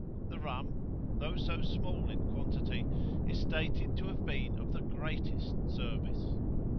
The rum, though so small in quantity, is stated to have been of the greatest service.